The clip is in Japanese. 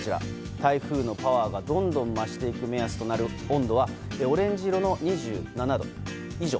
台風のパワーがどんどん増していく目安となる温度はオレンジ色の２７度以上。